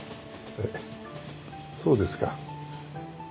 えっそうですか。